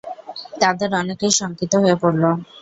তাদের অনেকেই শঙ্কিত হয়ে পড়ল।